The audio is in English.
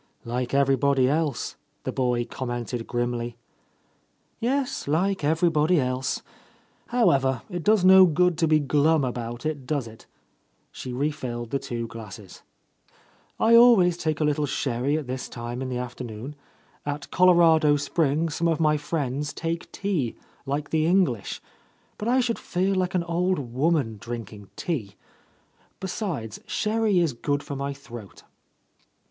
"Like everybody else," the boy commented grimly. "Yes, like everybody else. However, it does no good to be glum about it, does it?" She re filled the two glasses. "I always take a little sherry at this time in the afternogn. At Colo rado Springs some of my friends take tea, like the English. But I should feel like an old woman, drinking tea! Besides, sherry is good for my throat."